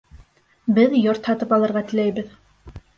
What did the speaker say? Беҙ йорт һатып алырға теләйбеҙ.